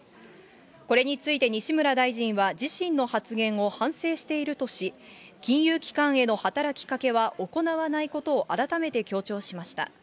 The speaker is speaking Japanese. これについて西村大臣は自身の発言を反省しているとし、金融機関への働きかけは行わないことを改めて強調しました。